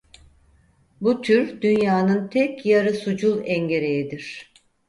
Bu tür dünyanın tek yarı sucul engereğidir.